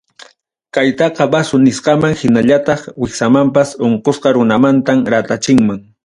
Kaytaqa bazo nisqaman hinallataq wiksamanpas unkusqa runamantam ratachinman.